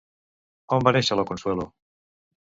On va néixer la Consuelo?